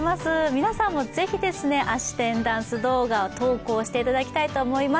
皆さんもぜひ、あし天ダンス動画を投稿していただきたいと思います。